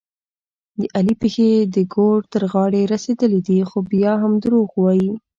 د علي پښې د ګور تر غاړې رسېدلې دي، خو بیا هم دروغ وايي.